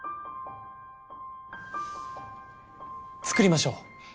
作りましょう。